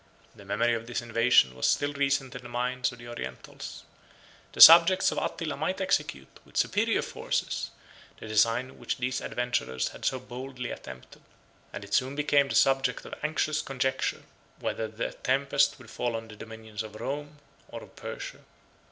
The memory of this invasion was still recent in the minds of the Orientals. The subjects of Attila might execute, with superior forces, the design which these adventurers had so boldly attempted; and it soon became the subject of anxious conjecture, whether the tempest would fall on the dominions of Rome, or of Persia.